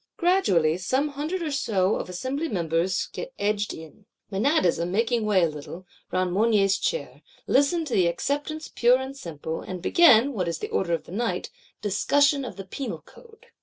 Gradually some hundred or so of Assembly members get edged in, Menadism making way a little, round Mounier's Chair; listen to the Acceptance pure and simple; and begin, what is the order of the night, "discussion of the Penal Code."